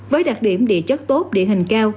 với đặc điểm địa chất tốt địa hình cao